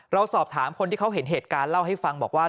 เราสอบถามคนที่เขาเห็นเหตุการณ์เล่าให้ฟังบอกว่า